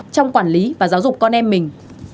trong quản lý và giáo dục con em mình